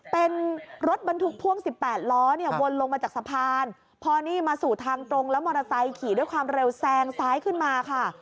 เป็นรถบรรทุกพ่วง๑๘ล้อเนี่ยวนลงมาจากสะพานพอนี่มาสู่ทางตรงแล้วมอเตอร์ไซค์ขี่ด้วยความเร็วแซงซ้ายขึ้นมาค่ะ